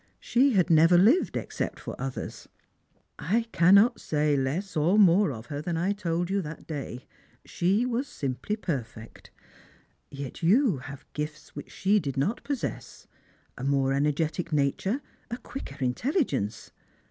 She had never lived except for others. I cannot say less or more of her than I told you that day — she was simply perfect. Yet you have gifts which she did not possess — a more energetic "nature, a quicker intelligence.